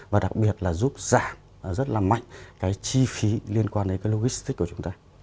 và đặc biệt là giúp giảm rất là mạnh cái chi phí liên quan đến cái logistic của chúng ta